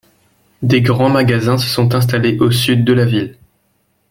Des grands magasins se sont installés au sud de la ville.